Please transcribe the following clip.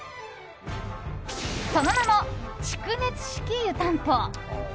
その名も蓄熱式湯たんぽ！